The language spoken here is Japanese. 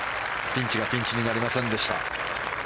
ピンチがピンチになりませんでした。